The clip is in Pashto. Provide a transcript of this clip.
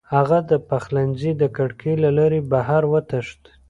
هغه د پخلنځي د کړکۍ له لارې بهر وتښتېد.